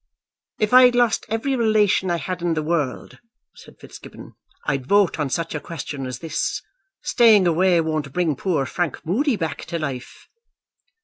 "If I'd lost every relation I had in the world," said Fitzgibbon, "I'd vote on such a question as this. Staying away won't bring poor Frank Moody back to life."